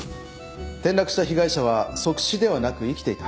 転落した被害者は即死ではなく生きていた。